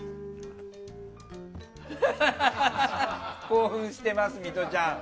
興奮してます、ミトちゃん。